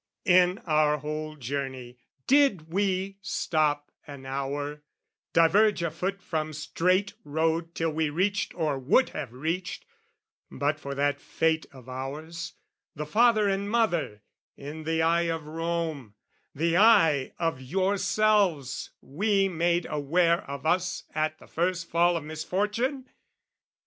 In our whole journey did we stop an hour, Diverge a foot from strait road till we reached Or would have reached but for that fate of ours The father and mother, in the eye of Rome, The eye of yourselves we made aware of us At the first fall of misfortune?